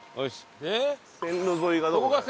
線路沿いがどこか。